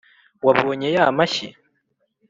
Wabonye yamashyi